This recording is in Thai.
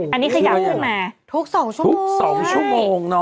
อันนี้ขยับมาทุก๒ชั่วโมง